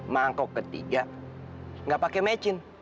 mangkok ketiga nggak pakai mecin